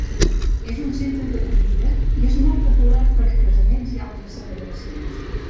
És un centre d'acollida i és molt popular per a casaments i altres celebracions.